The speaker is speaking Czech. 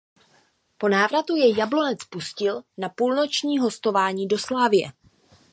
Po návratu jej Jablonec pustil na půlroční hostování do Slavie.